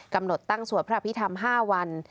กำหนดตั้งสวดพระอภิษฐรรม๕วัน